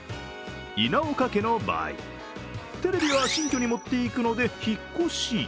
稲岡家の場合、テレビは新居に持っていくので引っ越し。